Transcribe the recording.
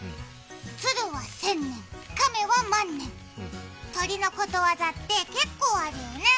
鶴は千年亀は万年、鳥のことわざって結構あるよね。